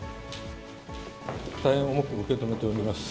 大変重く受け止めております。